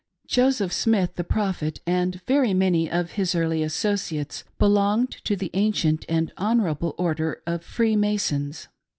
Joseph Smith, the Prophet, and very many of his early associates belonged to the ancient and honorable order of Freemasons.